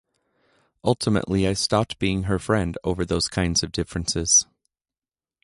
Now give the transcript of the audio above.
Ultimately I stopped being her friend over those kinds of differences.